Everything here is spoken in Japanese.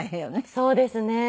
そうですね。